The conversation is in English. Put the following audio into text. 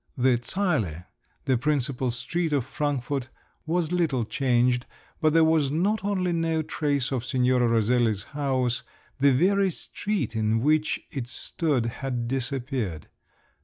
The Zeile, the principal street of Frankfort was little changed, but there was not only no trace of Signora Roselli's house, the very street in which it stood had disappeared.